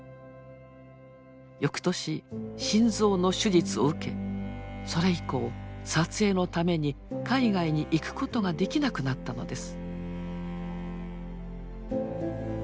翌年心臓の手術を受けそれ以降撮影のために海外に行くことができなくなったのです。